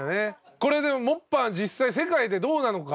これでもモッパンは実際に世界でどうなのか？